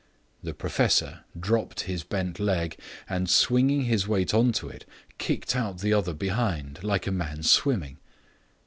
The professor dropped his bent leg, and swinging his weight on to it kicked out the other behind, like a man swimming.